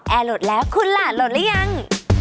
แอร์โหลดแล้วคุณล่ะโหลดแล้วยัง